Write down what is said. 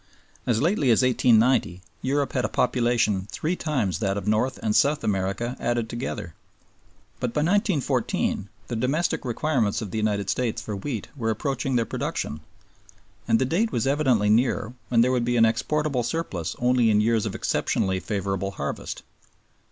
As lately as 1890 Europe had a population three times that of North and South America added together. But by 1914 the domestic requirements of the United States for wheat were approaching their production, and the date was evidently near when there would be an exportable surplus only in years of exceptionally favorable harvest.